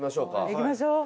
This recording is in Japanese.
行きましょう。